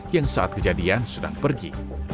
yang saat kejadian sedang pergi